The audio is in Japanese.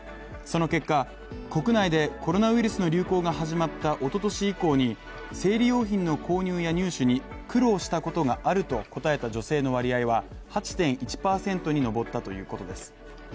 その結果国内でコロナウイルスの流行が始まったおととし以降に、生理用品の購入や入手に苦労したことがあると答えた女性の割合は８．１％に上ったということです。